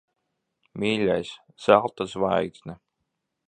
Mīļais! Zelta zvaigzne.